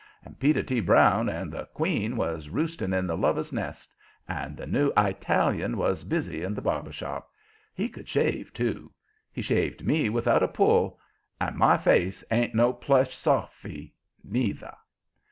And Peter T. Brown and the "queen" was roosting in the Lover's Nest; and the new Italian was busy in the barber shop. He could shave, too. He shaved me without a pull, and my face ain't no plush sofy, neither.